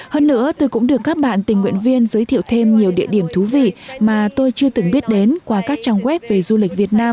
hơn nữa tôi cũng được các bạn tình nguyện viên giới thiệu thêm nhiều địa điểm thú vị mà tôi chưa từng biết đến qua các trang web về du lịch việt nam